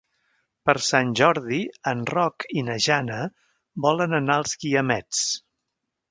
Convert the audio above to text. Per Sant Jordi en Roc i na Jana volen anar als Guiamets.